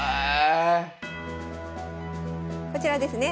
こちらですね。